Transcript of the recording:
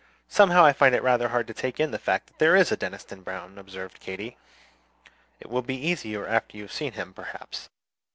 "Somehow I find it rather hard to take in the fact that there is a Deniston Browne," observed Katy. "It will be easier after you have seen him, perhaps."